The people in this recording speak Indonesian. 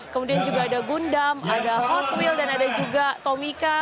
kemudian juga ada gundam ada hot wheels dan ada juga tomica